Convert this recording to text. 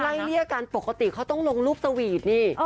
คือมันไล่เลี่ยกันปกติเขาต้องลงรูปสวีทนี่